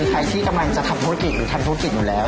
ใครที่กำลังจะทำธุรกิจหรือทำธุรกิจอยู่แล้ว